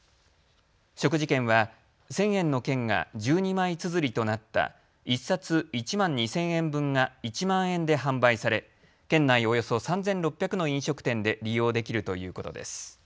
食事券は１０００円の券が１２枚つづりとなった１冊１万２０００円分が１万円で販売され県内およそ３６００の飲食店で利用できるということです。